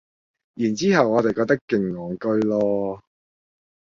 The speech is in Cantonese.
然之後我哋覺得勁戇居囉